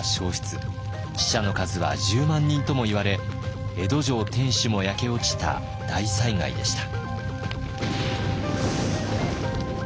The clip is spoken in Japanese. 死者の数は１０万人ともいわれ江戸城天守も焼け落ちた大災害でした。